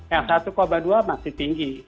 yang satu dua masih tinggi